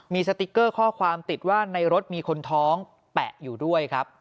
มีสติ๊กเกอร์ข้อความติดว่าในรถมีคนท้องแปะอยู่ด้วยครับ